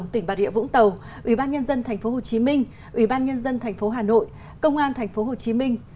tỉnh bà rịa vũng tàu ủy ban nhân dân tp hcm ủy ban nhân dân tp hcm công an tp hcm